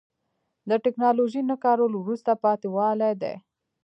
د تکنالوژۍ نه کارول وروسته پاتې والی دی.